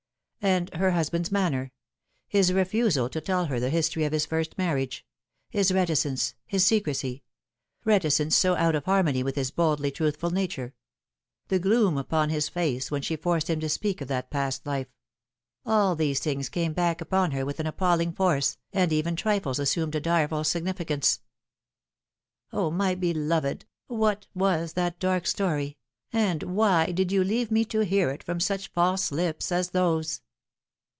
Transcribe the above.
And her husband's manner : his refusal to tell her the history of his first marriage ; his reticence, his secrecy reticence so out of harmony with his boldly truthful nature ; the gloom upon his face when she forced him to speak of that past life : all these things came back upon her with appalling force, and even trifles assumed a direful significance. " O, my beloved ! what was that dark story, and why did you leave me to hear it from such false lips as those